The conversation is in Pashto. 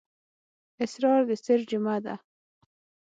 اسرار د سِر جمعه ده.